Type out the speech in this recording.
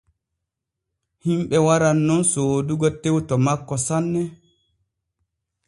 Himɓe waran nun soodugo tew to makko sanne.